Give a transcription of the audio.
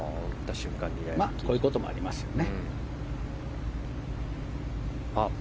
こういうこともありますよね。